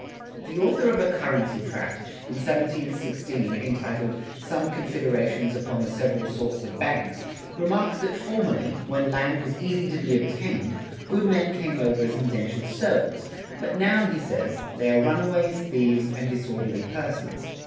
[59:2] The author of a currency tract, in 1716, entitled "Some Considerations upon the Several Sorts of Banks," remarks that formerly, when land was easy to be obtained, good men came over as indentured servants; but now, he says, they are runaways, thieves, and disorderly persons.